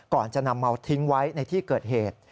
ก่อนจะนำมาทิ้งไว้ในที่เกิดเหตุ